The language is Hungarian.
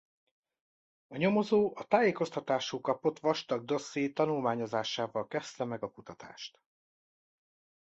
A nyomozó a tájékoztatásul kapott vastag dosszié tanulmányozásával kezdte meg a kutatást.